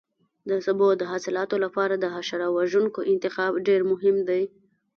د سبو د حاصلاتو لپاره د حشره وژونکو انتخاب ډېر مهم دی.